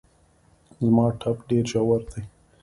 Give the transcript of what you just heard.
زما ټپ ډېر ژور دی